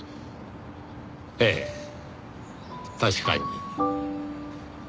ええ確かに。